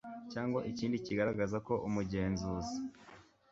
cyangwa ikindi kigaragaza ko umugenzuzi